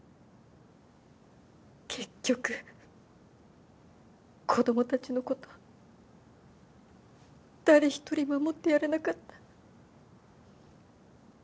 結局子供たちのこと誰一人守ってやれなかった。